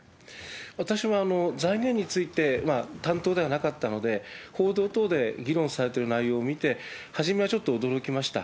私は財源について担当ではなかったので、報道等で議論されている内容を見て、初めはちょっと驚きました。